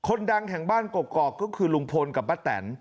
คนดังแห่งบ้านกรอกกรอกก็คือลุงพนตร์กับป้าแตน